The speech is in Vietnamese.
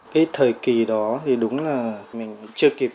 cái thời kỳ đó thì đúng là mình chưa kịp